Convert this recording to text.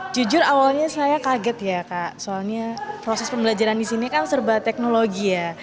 jujur awalnya saya kaget ya kak soalnya proses pembelajaran di sini kan serba teknologi ya